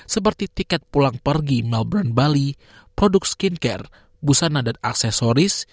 seperti tiket pulang pergi melbran bali produk skincare busana dan aksesoris